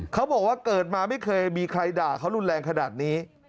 เขาบอกว่าเกิดมาไม่เคยมีใครด่าเขารุนแรงขนาดนี้